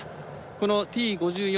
このＴ５４